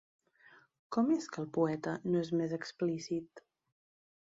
Com és que el poeta no és més explícit?